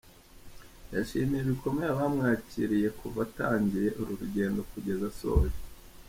Yashimiye bikomeye abamwakiriye kuva atangiye uru rugedo kugeza asoje.